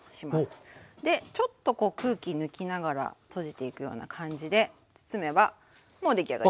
でちょっとこう空気抜きながら閉じていくような感じで包めばもう出来上がり。